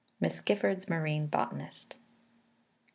'" Miss Gifford's Marine Botanist.